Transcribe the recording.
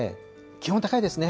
気温高いですね。